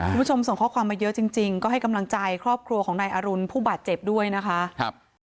คุณผู้ชมส่งข้อความมาเยอะจริงจริงก็ให้กำลังใจครอบครัวของนายอรุณผู้บาดเจ็บด้วยนะคะครับ